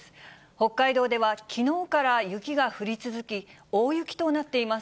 北海道ではきのうから雪が降り続き、大雪となっています。